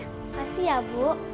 makasih ya bu